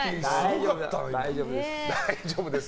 大丈夫です。